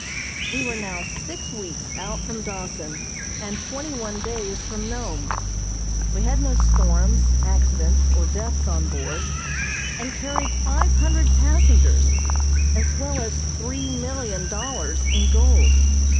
We were now six weeks out from Dawson and twenty one days from Nome; we had no storms, accidents or deaths on board, and carried five hundred passengers, as well as three million dollars in gold.